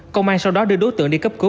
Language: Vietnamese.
công an sau đó đưa đối tượng đi cấp cứu